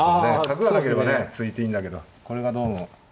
角がなければね突いていいんだけどこれがどうも。